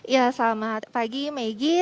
ya selamat pagi maggie